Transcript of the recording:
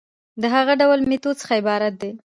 د هغه ډول ميتود څخه عبارت دي